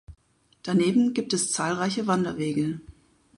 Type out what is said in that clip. Daneben gibt es zahlreiche Wanderwege.